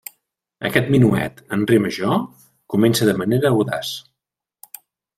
Aquest minuet, en re major, comença de manera audaç.